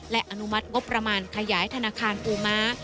และอนุมัติงบประมาณขยายธนาคารปูม้า